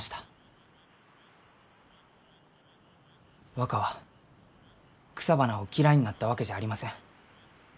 若は草花を嫌いになったわけじゃありません。